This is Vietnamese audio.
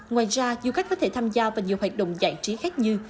ngoài ra du khách có thể tham gia vào nhiều hoạt động giải trí khác như